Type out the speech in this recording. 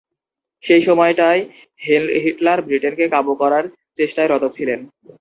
সেই সময়টায় হিটলার ব্রিটেনকে কাবু করার চেষ্টায় রত ছিলেন।